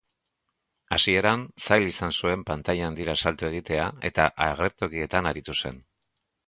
Hasieran zail izan zuen pantaila handira salto egitea eta agertokietan aritu zen.